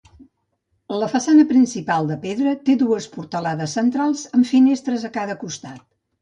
La façana principal, de pedra té dues portalades centrals amb finestres a cada costat.